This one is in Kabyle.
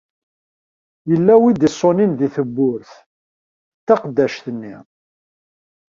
Yella wi d-iṣunin deg tewwurt, d taqeddact-nni.